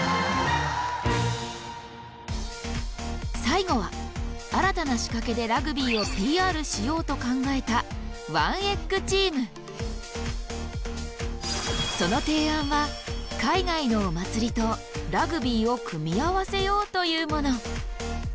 最後は新たな仕掛けでラグビーをＰＲしようと考えたその提案は海外のお祭りとラグビーを組み合わせようというもの。